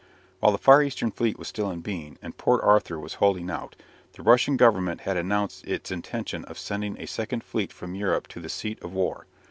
While the Far Eastern fleet was still in being, and Port Arthur was holding out, the Russian Government had announced its intention of sending a second fleet from Europe to the seat of war.